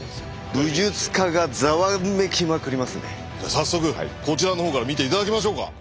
じゃあ早速こちらのほうから見て頂きましょうか。